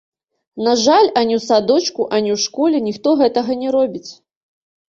На жаль, ані ў садочку, ані ў школе ніхто гэтага не робіць.